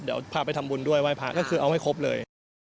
เดี๋ยวพาไปทำบุญด้วยไหว้พระก็คือเอาไม่ครบเลย